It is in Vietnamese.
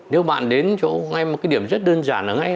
nếu bạn đến chỗ ngay một cái điểm rất đơn giản